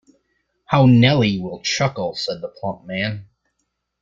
“How Nellie will chuckle,” said the plump man.